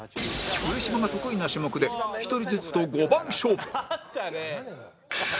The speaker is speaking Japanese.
上島が得意な種目で一人ずつと５番勝負あったね！